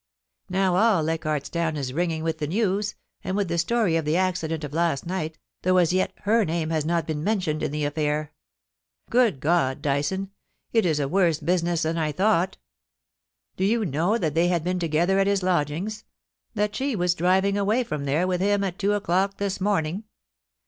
Now all Leichaidt's Town is ringing with the news, and with the stoiy of the accident of last night, though as yet her name has not been mentioned in the affair. Good God, Dyson ! it is a worse business than I thought Do you know that they had been t<^ether at his lodgings — that she was driving away from there with him at two o'clock this morning